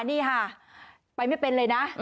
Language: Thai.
นี่ค่ะไปไม่เป็นเลยนะ